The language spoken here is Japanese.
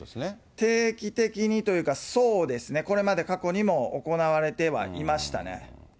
定期的にというか、そうですね、これまで過去にも行われてはいましたね。